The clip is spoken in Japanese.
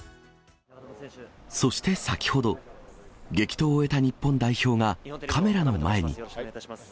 そして、先ほど。、激闘を終えた日本代表がカメラの前に。